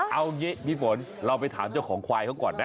เอางี้พี่ฝนเราไปถามเจ้าของควายเขาก่อนไหม